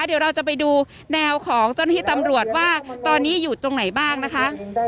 เดี๋ยวเราจะไปดูแนวของเจ้าหน้าที่ตำรวจว่าตอนนี้อยู่ตรงไหนบ้างนะคะ